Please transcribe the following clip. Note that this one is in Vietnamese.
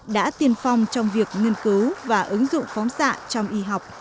đã tiên phong trong việc nghiên cứu và ứng dụng phóng xạ trong y học